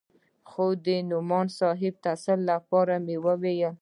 خو د نعماني صاحب د تسل لپاره مې وويل.